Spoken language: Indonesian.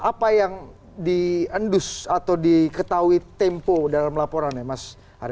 apa yang diendus atau diketahui tempo dalam laporan ya mas haris